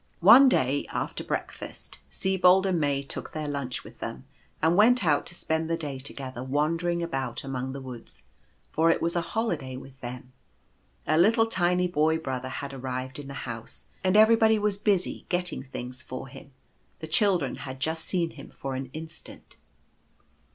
One day after "breakfast, Sibold and May took their lunch with them, and went out to spend the day toge ther wandering about among the woods, for it was a holiday with them. A little tiny Boy brother had arrived in the house, and everybody was busy getting things for him. The children had just seen him for an instant.